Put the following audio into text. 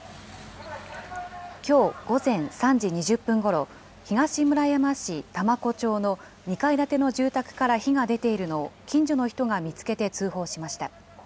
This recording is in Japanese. きょう午前３時３０分ごろ、東村山市多摩湖町の２階建ての住宅から火が出ているのを、近所の人が見つけて通報しました。